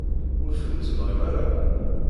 Ur ten-tebɣim ara?